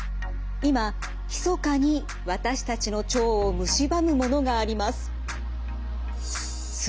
今ひそかに私たちの腸をむしばむものがあります。